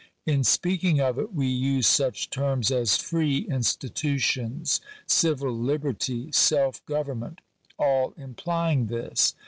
In speaking of it we use such terms as free institutions, civil liberty, self govern ment, all implying this.